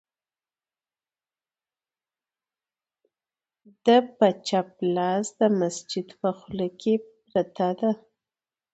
د په چپ لاس د مسجد په خوله کې پرته ده،